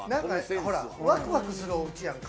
ワクワクするおうちやんか。